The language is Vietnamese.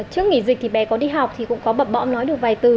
trước nghỉ dịch thì bé có đi học thì cũng có bập bọ nói được vài từ